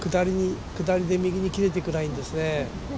下りで右に切れてくラインですね。